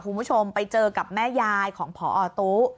คุณผู้ชมไปเจอกับแม่ยายของพอตู้